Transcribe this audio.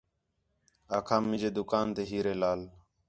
آکھام مینجے دُکان تے ہیرے لال